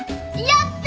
やった。